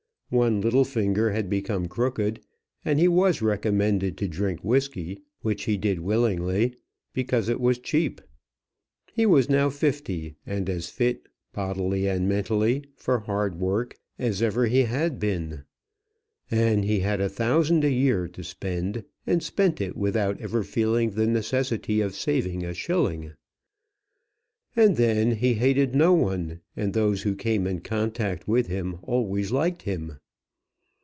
One little finger had become crooked, and he was recommended to drink whisky, which he did willingly, because it was cheap. He was now fifty, and as fit, bodily and mentally, for hard work as ever he had been. And he had a thousand a year to spend, and spent it without ever feeling the necessity of saving a shilling. And then he hated no one, and those who came in contact with him always liked him.